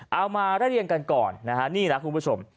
เอามาได้เรียนกันก่อนนะครับนี่นะคุณผู้ชม